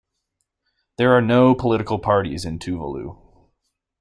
There are no political parties in Tuvalu.